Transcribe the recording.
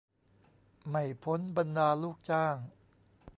ไม่พ้นบรรดาลูกจ้าง